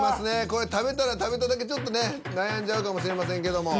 これ食べたら食べただけちょっとね悩んじゃうかもしれませんけども。